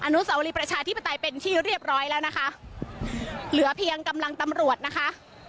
นุสาวรีประชาธิปไตยเป็นที่เรียบร้อยแล้วนะคะเหลือเพียงกำลังตำรวจนะคะ